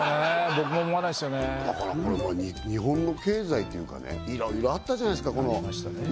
僕も思わないっすよねだからこれ日本の経済っていうかねいろいろあったじゃないすかありましたね